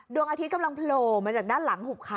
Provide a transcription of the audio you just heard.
ดวงอาทิตย์กำลังโผล่มาจากด้านหลังหุบเขา